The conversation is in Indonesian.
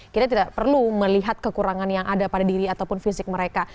kita tidak perlu melihat kekurangan yang ada pada diri ataupun fisik mereka